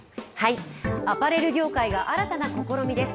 アパレル業界が新たな試みです。